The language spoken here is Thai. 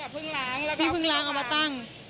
ใช่ค่ะเพิ่งล้างแล้วก็เอามาตั้ง